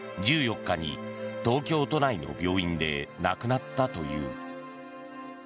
１４日に東京都内の病院で亡くなったという。